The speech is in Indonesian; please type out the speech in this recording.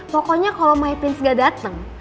pokoknya kalau my prince gak dateng